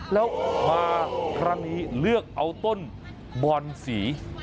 แล้วมาครั้งนี้เลือกเอาต้นบอนสี